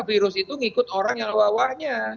virus itu ngikut orang yang wawahnya